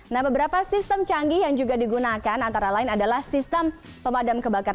nah beberapa sistem canggih yang juga digunakan antara lain adalah sistem pemadam kebakaran